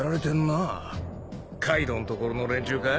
カイドウんところの連中か？